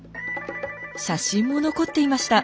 写真も残っていました。